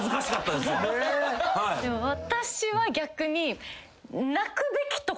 でも私は逆に。